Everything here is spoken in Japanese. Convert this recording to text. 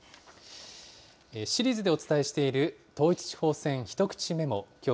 シリーズでお伝えしている統一地方選ひとくちメモ。